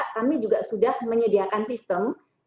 kami juga sudah menyediakan si jualan